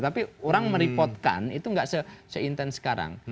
tapi orang mereport kan itu gak se intense sekarang